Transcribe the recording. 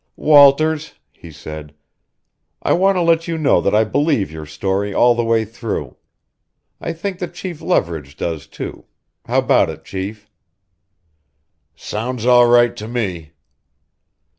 "Walters," he said, "I want to let you know that I believe your story all the way through. I think that Chief Leverage does, too how about it, chief?" "Sounds all right to me."